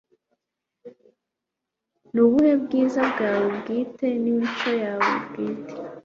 Ni ubuhe bwiza bwawe bwite nimico yawe bwite